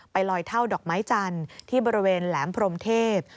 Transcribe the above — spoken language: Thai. ลอยเท่าดอกไม้จันทร์ที่บริเวณแหลมพรมเทพ